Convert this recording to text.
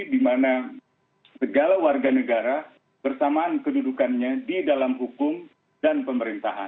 di mana segala warga negara bersamaan kedudukannya di dalam hukum dan pemerintahan